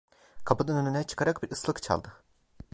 Kapının önüne çıkarak bir ıslık çaldı.